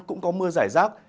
cũng có mưa giải rác